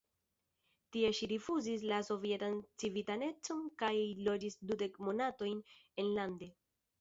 Tie ŝi rifuzis la sovetan civitanecon kaj loĝis dudek monatojn enlande.